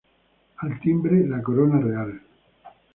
Al timbre la Corona Real.